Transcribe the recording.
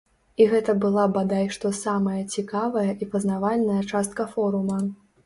І гэта была бадай што самая цікавая і пазнавальная частка форума.